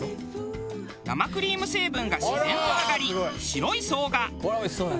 生クリーム成分が自然と上がり白い層が。